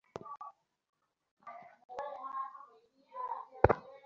কিন্তু সন্দেহ করিতে কোনোমতেই ইচ্ছা হইল না।